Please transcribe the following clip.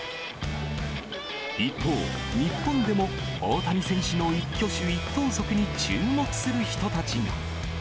一方、日本でも大谷選手の一挙手一投足に注目する人たちが。